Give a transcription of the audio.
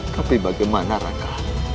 tapi bagaimana raka